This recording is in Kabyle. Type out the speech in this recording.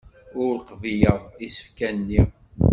Ur qbileɣ isefka-nni.